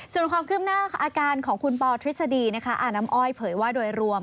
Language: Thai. ส่วนความคืบหน้าอาการของคุณปอทฤษฎีอาน้ำอ้อยเผยว่าโดยรวม